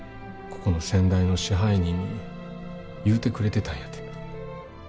ここの先代の支配人に言うてくれてたんやて。